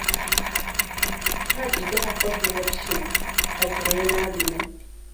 Ka cîgeha xwe ji min re bişîne, ez rêyê nabînim.